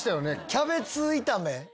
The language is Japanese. キャベツ炒め？